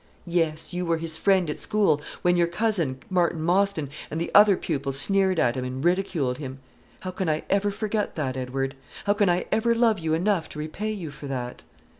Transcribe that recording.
Yes; you were his friend at school, when your cousin, Martin Mostyn, and the other pupils sneered at him and ridiculed him. How can I ever forget that, Edward? How can I ever love you enough to repay you for that?"